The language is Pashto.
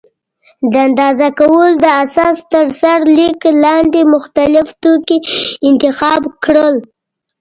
د اندازه کولو د اساس تر سرلیک لاندې مختلف توکي انتخاب کړل.